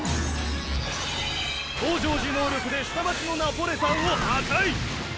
登場時能力で下町のナポレたんを破壊。